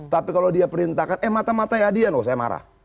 tapi kalau dia perintahkan eh mata matanya dia oh saya marah